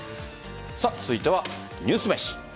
続いてはニュースめし。